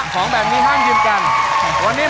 ของแบบนี้ห้ามยืมกัน